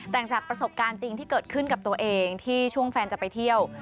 แต่งจากประสบการณ์จริงที่เกิดขึ้นกับตัวเองที่ช่วงแฟนจะไปเที่ยว